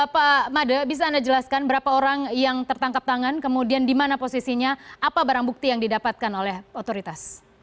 pak made bisa anda jelaskan berapa orang yang tertangkap tangan kemudian di mana posisinya apa barang bukti yang didapatkan oleh otoritas